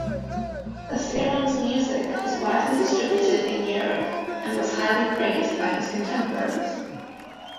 Basiron's music was widely distributed in Europe, and was highly praised by his contemporaries.